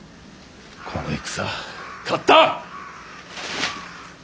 この戦勝った！